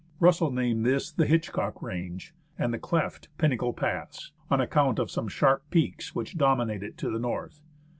Russell named this the " Hitchcock Range," and the cleft " Pinnacle Pass," on account of some sharp peaks which dominate it to the north.